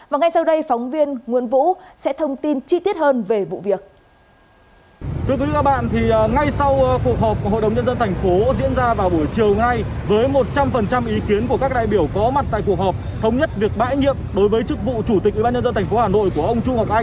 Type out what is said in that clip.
và ngay sau đây phóng viên nguyễn vũ sẽ thông tin chi tiết hơn về vụ việc